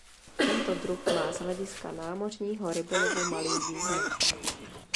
Tento druh má z hlediska námořního rybolovu malý význam.